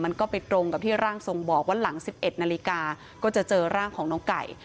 มันก็ไปตรงกับที่ร่างทรงบอกว่าหลัง๑๑นาฬิกาก็จะเจอร่างของน้องไก่